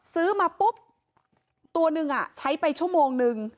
ซื้อมาปุ๊บตัวหนึ่งใช้ไปชั่วโมงนึง